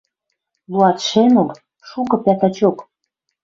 Луатшӹмур, шукы — пятачок.